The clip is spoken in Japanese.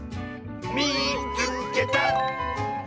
「みいつけた！」。